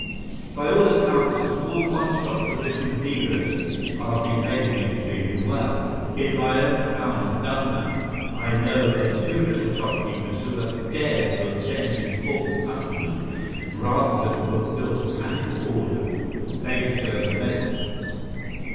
By all accounts, the small one shop provision dealers are behaving extremely well. In my own town of Dunmow I know of two little shopkeepers who have dared to offend important customers rather than fulfil panic orders. They deserve medals.